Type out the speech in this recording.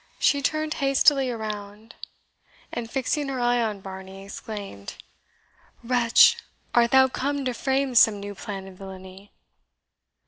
Size turned hastily round, and fixing her eye on Varney, exclaimed, "Wretch! art thou come to frame some new plan of villainy?"